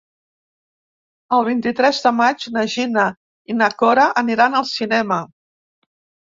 El vint-i-tres de maig na Gina i na Cora aniran al cinema.